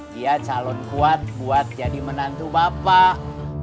dia calon kuat buat jadi menantu bapak